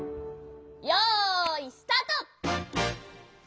よいスタート！